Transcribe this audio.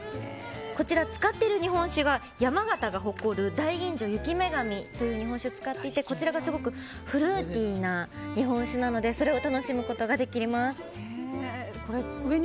こちら使っている日本酒が山形が誇る大吟醸、雪女神という日本酒を使っていてこちらがすごくフルーティーな日本酒なのでそれを楽しむことができます。